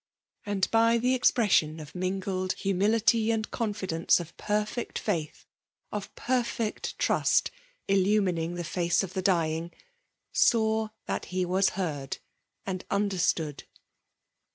And by the expres sion of mingled humility and confidence of perfect faith, — of perfect trust, — illumining the face of the dying, saw that he was heard and understood.